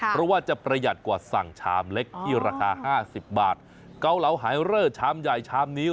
เพราะว่าจะประหยัดกว่าสั่งชามเล็กที่ราคาห้าสิบบาทเกาเหลาไฮเรอร์ชามใหญ่ชามนี้